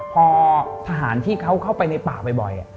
พอทหารที่เขาเข้าไปในป่าบ่อย